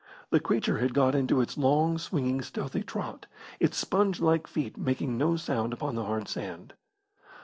The creature had got into its long, swinging, stealthy trot, its sponge like feet making no sound upon the hard sand.